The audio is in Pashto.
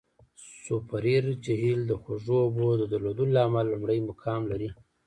سوپریر جهیل د خوږو اوبو د درلودلو له امله لومړی مقام لري.